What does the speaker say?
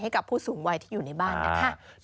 ให้กับผู้สูงวัยที่อยู่ในบ้านนะคะ